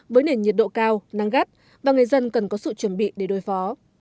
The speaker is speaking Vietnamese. với nền nhiệt độ cao nắng gắt và người dân cần có sự chuẩn bị để đối phó